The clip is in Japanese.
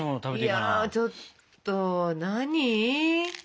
いやちょっと何？